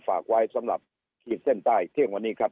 ฝากไว้สำหรับขีดเส้นใต้เที่ยงวันนี้ครับ